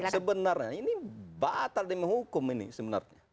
sebenarnya ini batal di menghukum ini sebenarnya